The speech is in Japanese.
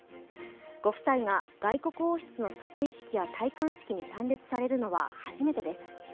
ご夫妻が外国王室の即位式や戴冠式に参列されるのは初めてです。